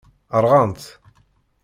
Rɣant.